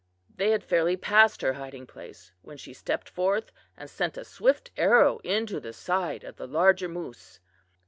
They had fairly passed her hiding place when she stepped forth and sent a swift arrow into the side of the larger moose.